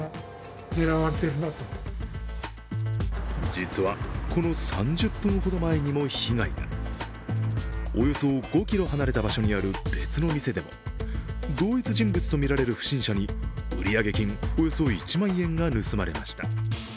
実は、この３０分ほど前にも被害がおよそ５ｋｍ離れた場所にある別の店でも同一人物とみられる不審者に売上金およそ１万円が盗まれました。